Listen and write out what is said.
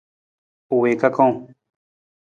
U wii kakang.